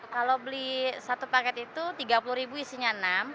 kalau beli satu paket itu rp tiga puluh ribu isinya enam